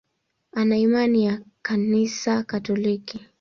Ana imani ya Kanisa Katoliki.